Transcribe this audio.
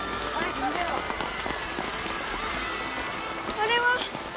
あれは！？